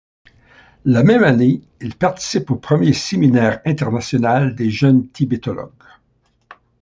La même année, il participe au premier Séminaire international des jeunes tibétologues.